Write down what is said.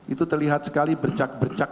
itu terlihat sekali bercak bercak